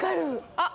あっ！